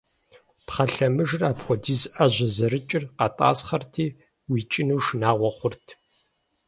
Пхъэ лъэмыжыр, апхуэдиз Ӏэжьэ зэрыкӀыр, къэтӀасхъэрти, уикӀыну шынагъуэ хъурт.